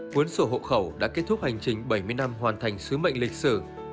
cuốn sổ hộ khẩu đã kết thúc hành trình bảy mươi năm hoàn thành sứ mệnh lịch sử